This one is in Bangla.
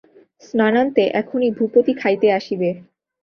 স্নানান্তে এখনই ভূপতি খাইতে আসিবে।